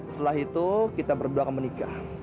setelah itu kita berdua akan menikah